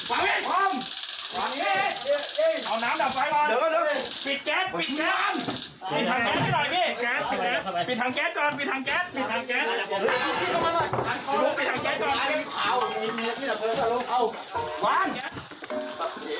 เอาน้ำต่ำไฟก่อนปิดแก๊สปิดแก๊สปิดทางแก๊สให้หน่อยพี่